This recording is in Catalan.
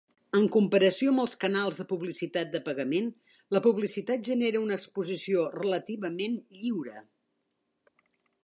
En comparació amb els canals de publicitat de pagament, la publicitat genera una exposició relativament "lliure".